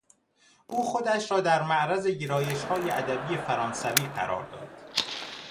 او خودش را در معرض گرایشهای ادبی فرانسوی قرار داد.